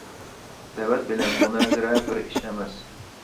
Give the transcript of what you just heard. دەۋەت بىلەن مۇنازىرە بىر ئىش ئەمەس.